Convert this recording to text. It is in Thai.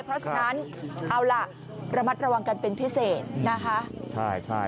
เพราะฉะนั้นเอาล่ะระมัดระวังกันเป็นพิเศษนะคะ